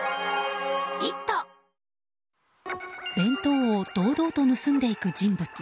弁当を堂々と盗んでいく人物。